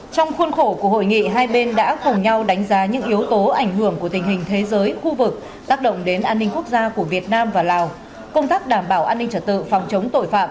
trong khuôn khổ của hội nghị hai bên đã cùng nhau đánh giá những yếu tố ảnh hưởng của tình hình thế giới khu vực tác động đến an ninh quốc gia của việt nam và lào công tác đảm bảo an ninh trật tự phòng chống tội phạm